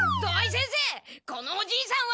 このおじいさんは。